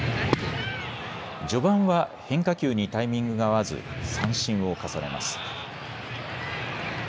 序盤は変化球にタイミングが合わず三振を重ねます。